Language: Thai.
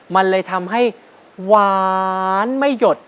มันเลยทำให้หวานไม่หยด